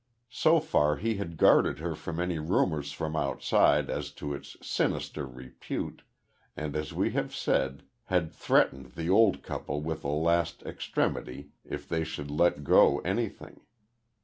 So far he had guarded her from any rumours from outside as to its sinister repute; and, as we have said, had threatened the old couple with the last extremity if they should let go anything.